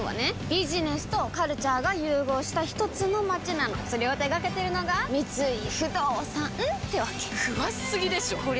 ビジネスとカルチャーが融合したひとつの街なのそれを手掛けてるのが三井不動産ってわけ詳しすぎでしょこりゃ